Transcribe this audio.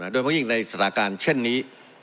โดยเมื่อกี้ในสถานการณ์เช่นนี้